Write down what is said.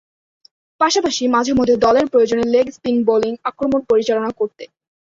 পাশাপাশি, মাঝে-মধ্যে দলের প্রয়োজনে লেগ স্পিন বোলিং আক্রমণ পরিচালনা করতেন।